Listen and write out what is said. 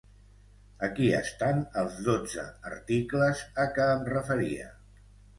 Aquí estan els dotze articles a què em referia.